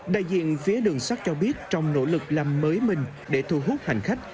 đại diện phía đường sắt cho biết trong nỗ lực làm mới mình để thu hút hành khách